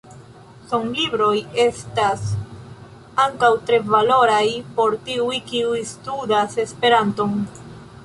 Sonlibroj estas ankaŭ tre valoraj por tiuj, kiuj studas Esperanton.